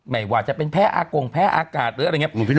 ไม่ว่าจะเป็นแพ้อากงแพ้อากาศหรืออะไรอย่างนี้